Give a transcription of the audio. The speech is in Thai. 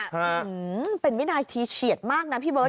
อืมเป็นวินาทีเฉียดมากนะพี่เบิร์